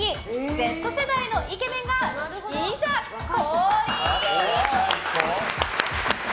Ｚ世代のイケメンがいざ降臨！